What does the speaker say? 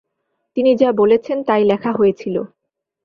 তিনি যা বলেছেন তাই লেখা হয়েছিলো।